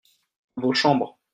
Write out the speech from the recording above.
vos chambres.